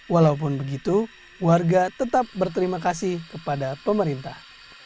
walaupun begitu warga tetap berterima kasih kepada pemerintah